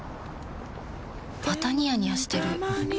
またニヤニヤしてるふふ。